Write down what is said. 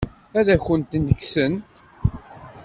Ad akent-ten-kksent?